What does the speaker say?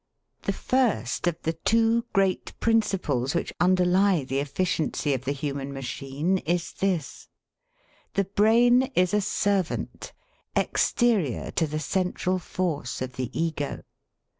The first of the two great principles which underlie the efficiency of the human machine is this: The brain is a servant, exterior to the central force of the Ego.